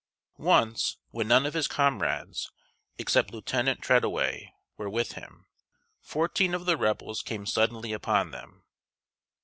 ] Once, when none of his comrades, except Lieutenant Treadaway, were with him, fourteen of the Rebels came suddenly upon them.